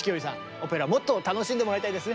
オペラもっと楽しんでもらいたいですね。